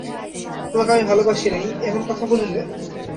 তোমাকে আমি ভালোবাসি নাই, এমন কথা বলিলে?